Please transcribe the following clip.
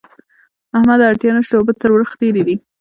احمده! اړتیا نه شته؛ اوبه تر ورخ تېرې دي.